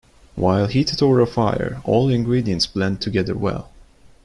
While heated over a fire, all ingredients blend together well.